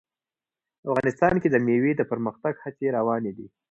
افغانستان کې د مېوې د پرمختګ هڅې روانې دي.